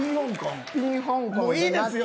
もういいですよ。